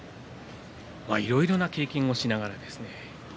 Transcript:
いろいろな経験をしながらですね。